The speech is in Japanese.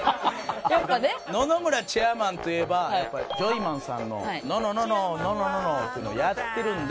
野々村チェアマンといえばやっぱりジョイマンさんの「のののののののの」っていうのやってるんで。